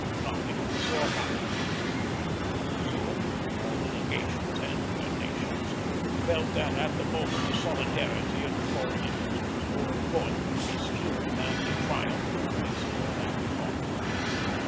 Nothing of the sort happened. I presume all the legations, and their nations, felt that at the moment the solidarity of the foreign interest was more important to be secured than the triumph of this or that party.